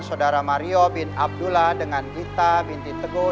saudara mario bin abdullah dengan gita binti teguh